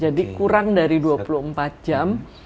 jadi kurang dari dua puluh empat jam